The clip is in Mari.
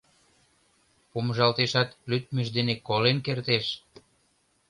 — Помыжалтешат, лӱдмыж дене колен кертеш.